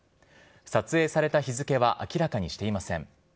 撮影された日付は明らかにしていません。